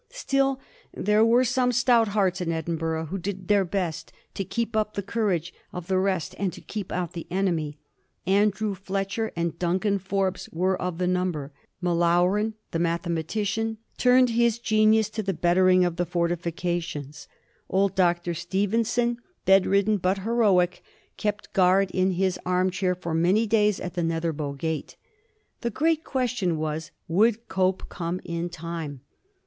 Still there were some stout hearts in Edinburgh who did their best to keep up the courage of the rest and to keep out the enemy. Andrew Fletcher and Duncan Forbes were of the number. M^Laurin, the mathematician, turned his genius to the bettering of the fortifications. Old Dr. 219 A HISTOBT OF THE FaUR GEORGES. CH.zxxy. Stevenson, bedridden bat heroic, kept guard in bis arm chair for many days at the Netherbow Gate. The great question was would Cope come in time?